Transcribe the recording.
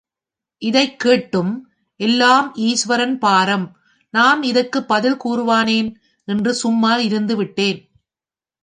இதைக் கேட்டும், எல்லாம் ஈசுவரன் பாரம், நாம் இதற்குப் பதில் கூறுவானேன் என்று சும்மா இருந்துவிட்டேன்.